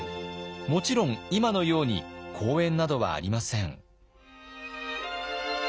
もちろん今のように公園などはありません。